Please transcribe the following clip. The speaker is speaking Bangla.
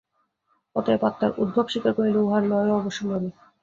অতএব আত্মার উদ্ভব স্বীকার করিলে উহার লয়ও অবশ্যম্ভাবী।